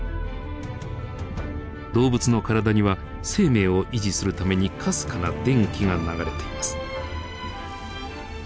動物の体には生命を維持するためにかすかな電気が流れています。